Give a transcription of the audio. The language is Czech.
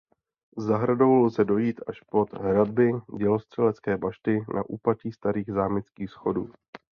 Zahradou lze dojít až pod hradby dělostřelecké bašty na úpatí Starých zámeckých schodů.